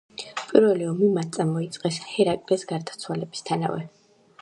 პირველი ომი მათ წამოიწყეს ჰერაკლეს გარდაცვალებისთანავე.